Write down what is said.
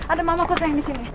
ada mama kuosanya disini